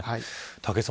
武井さん